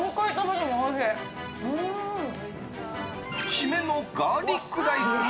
締めのガーリックライスも。